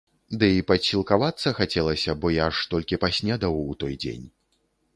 Ды і падсілкавацца хацелася, бо я ж толькі паснедаў у той дзень.